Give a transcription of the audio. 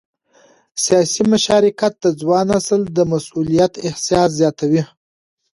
سیاسي مشارکت د ځوان نسل د مسؤلیت احساس زیاتوي